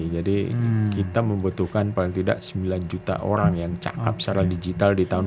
jadi kita membutuhkan paling tidak sembilan juta orang yang cap secara digital di tahun dua ribu tiga puluh